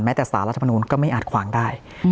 แต่สารรัฐมนูลก็ไม่อาจขวางได้